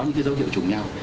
những dấu hiệu chủng nhau